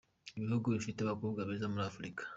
Ibihugu bifite abakobwa beza muri Afurika.